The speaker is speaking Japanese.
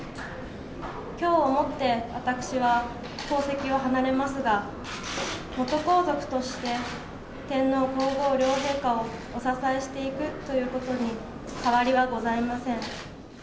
きょうをもって、私は皇籍を離れますが、元皇族として、天皇皇后両陛下をお支えしていくということに変わりはございません。